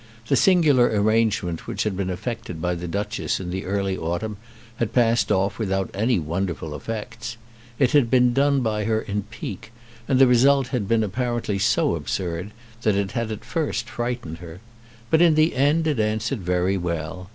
The singular arrangement which had been effected by the Duchess in the early autumn had passed off without any wonderful effects. It had been done by her in pique, and the result had been apparently so absurd that it had at first frightened her. But in the end it answered very well.